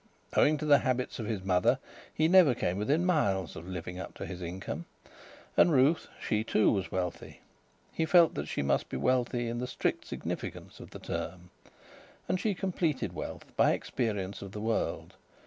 Owing to the habits of his mother, he never came within miles of living up to his income. And Ruth she, too, was wealthy. He felt that she must be wealthy in the strict significance of the term. And she completed wealth by experience of the world.